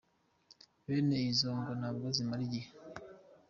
Bene izo ngo ntabwo zimara igihe”.